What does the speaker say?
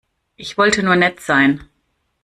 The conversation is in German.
Ich wollte nur nett sein.